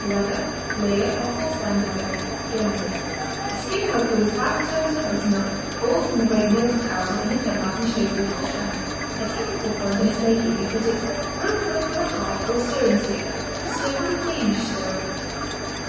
Leather, Leder, or Holstein Dairy Germany A skim milker with five to ten percent buttermilk, all from the great milch cows up near Denmark in Schleswig Holstein. A technical point in its making is that it's "broken up with a harp or a stirring stick and stirred with a Danish stirrer."